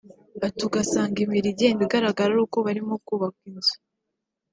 Ati"Ugasanga imibiri igenda igaragara ari uko barimo kubaka inzu